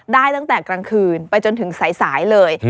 ได้ตั้งแต่กลางคืนไปจนถึงสายเลย